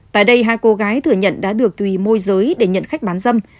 tại đây hai cô gái thừa nhận đã được thùy môi giới để nhận khách bán dâm